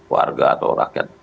warga atau rakyat